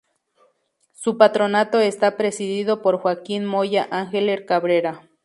Su patronato está presidido por Joaquín Moya-Angeler Cabrera.